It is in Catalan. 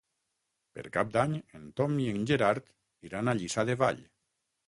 Per Cap d'Any en Tom i en Gerard iran a Lliçà de Vall.